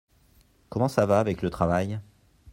Comment ça va avec le travail ?